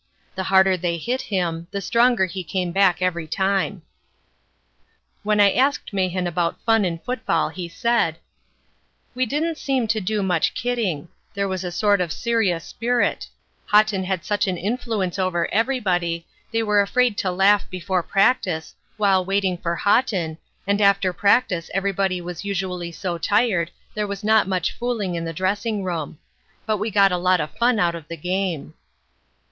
The harder they hit him, the stronger he came back every time." When I asked Mahan about fun in football he said: "We didn't seem to do much kidding. There was a sort of serious spirit; Haughton had such an influence over everybody, they were afraid to laugh before practice, while waiting for Haughton, and after practice everybody was usually so tired there was not much fooling in the dressing room; but we got a lot of fun out of the game."